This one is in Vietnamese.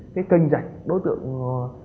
cái kênh dạch đối tượng